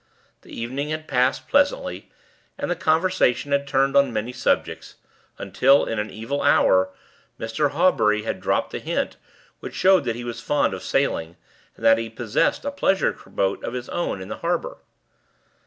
The evening had passed pleasantly, and the conversation had turned on many subjects, until, in an evil hour, Mr. Hawbury had dropped a hint which showed that he was fond of sailing, and that he possessed a pleasure boat of his own in the harbor.